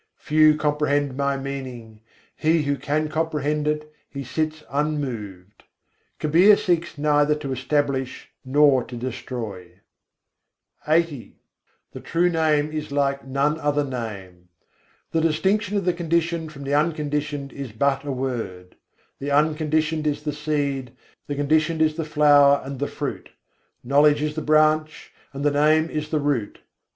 Few comprehend my meaning: he who can comprehend it, he sits unmoved. Kabîr seeks neither to establish nor to destroy. LXXX III. 69. satta nâm hai sab ten nyârâ The true Name is like none other name! The distinction of the Conditioned from the Unconditioned is but a word: The Unconditioned is the seed, the Conditioned is the flower and the fruit. Knowledge is the branch, and the Name is the root.